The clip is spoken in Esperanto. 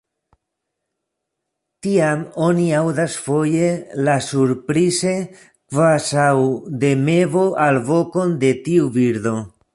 Tiam oni aŭdas foje la surprize kvazaŭ de mevo alvokon de tiu birdo.